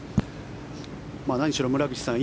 何しろ村口さん